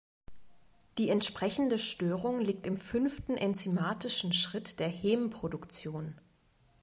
Die entsprechende Störung liegt im fünften enzymatischen Schritt der Hämproduktion.